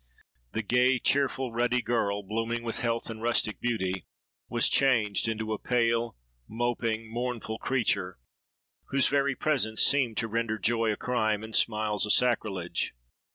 The gay, cheerful, ruddy girl, blooming with health and rustic beauty, was changed into a pale, moping, mournful creature, whose very presence seemed to render joy a crime and smiles a sacrilege.